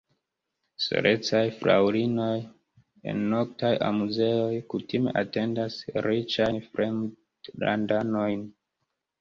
Solecaj fraŭlinoj en noktaj amuzejoj kutime atendas riĉajn fremdlandanojn.